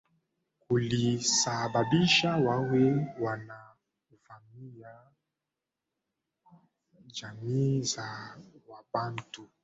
kulisababisha wawe wanavamia jamii za Wabantu